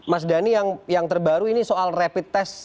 mas dhani yang terbaru ini soal rapid test